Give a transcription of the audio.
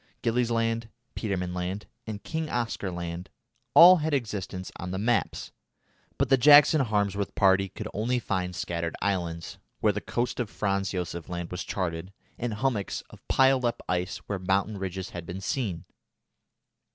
Gillies Land, Petermann Land, and King Oscar Land all had existence on the maps; but the Jackson Harmsworth party could only find scattered islands where the coast of Franz Josef Land was charted, and hummocks of piled up ice where mountain ridges had been seen.